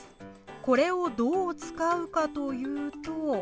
これをどう使うかというと。